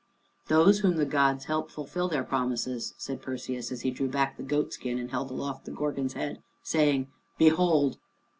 "Those whom the gods help fulfil their promises," said Perseus, as he drew back the goat skin and held aloft the Gorgon's head, saying, "Behold!"